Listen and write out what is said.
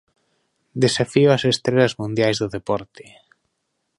Desafío ás estrelas mundiais do deporte.